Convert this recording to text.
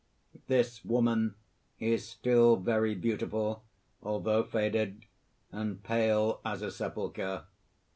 _ _This woman is still very beautiful, although faded, and pale as a sepulcher.